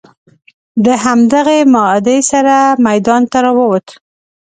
د همدغې معاهدې سره میدان ته راووت.